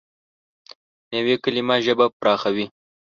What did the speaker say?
نوې کلیمه ژبه پراخوي